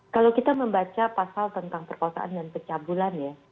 kalau kita membaca pasal tentang perkosaan dan pencabulan ya